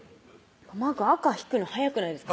赤引くの早くないですか？